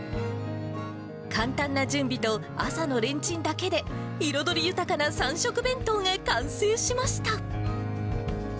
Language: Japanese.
簡単な準備と朝のレンチンだけで、彩り豊かな三色弁当が完成しました。